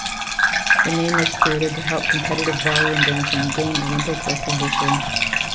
The name was created to help competitive ballroom dancing gain Olympic recognition.